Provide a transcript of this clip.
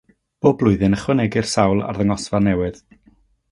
Bob blwyddyn, ychwanegir sawl arddangosfa newydd.